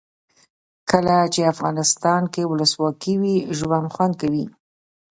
کله چې افغانستان کې ولسواکي وي ژوند خوند کوي.